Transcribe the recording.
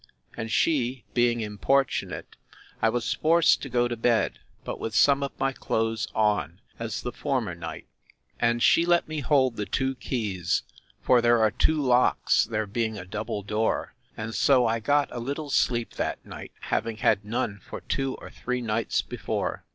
And she being importunate, I was forced to go to bed; but with some of my clothes on, as the former night; and she let me hold the two keys; for there are two locks, there being a double door; and so I got a little sleep that night, having had none for two or three nights before.